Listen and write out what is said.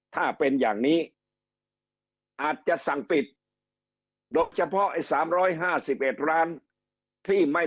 ถ้าเป็นอย่างนี้อาจจะสั่งปิดโดยเฉพาะไอ้๓๕๑ร้านที่ไม่